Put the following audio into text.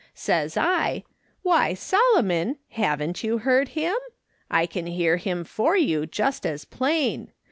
Says I, ' Why, Solomon ! Haven't you heard him ? I can hear him for you, just as plain